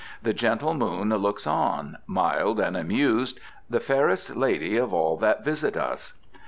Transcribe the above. The gentle moon looks on, mild and amused, the fairest lady of all that visit us.